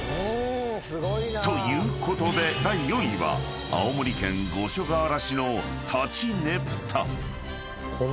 ［ということで第４位は青森県五所川原市の立佞武多］